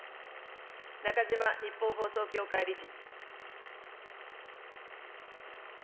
中嶋日本放送協会理事。